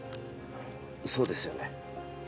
そうですよね？